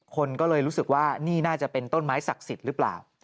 คนก็เลยรู้สึกว่านี่น่าจะเป็นต้นไม้ศักดิ์สิทธิ์หรือเปล่า